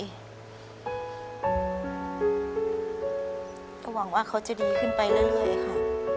ก็หวังว่าเขาจะดีขึ้นไปเรื่อยค่ะ